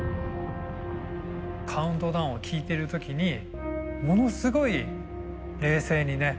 カウントダウンを聞いてる時にものすごい冷静にね